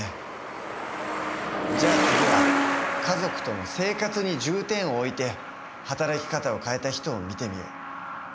じゃあ次は家族との生活に重点を置いて働き方を変えた人を見てみよう。